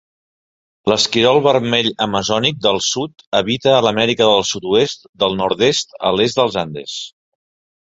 L'esquirol vermell amazònic del sud habita a l'Amèrica del Sud-oest del nord-est a l'est dels Andes.